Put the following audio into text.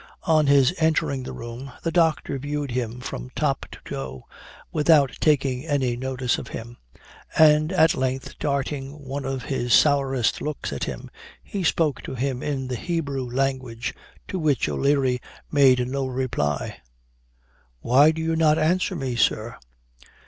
On his entering the room, the doctor viewed him from top to toe, without taking any notice of him; and, at length, darting one of his sourest looks at him, he spoke to him in the Hebrew language, to which O'Leary made no reply. 'Why do you not answer me, sir?'